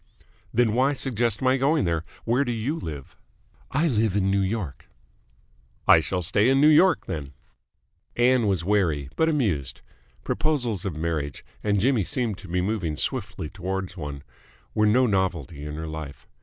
"Then why suggest my going there? Where do you live?" "I live in New York." "I shall stay in New York, then." Ann was wary, but amused. Proposals of marriage and Jimmy seemed to be moving swiftly towards one were no novelty in her life.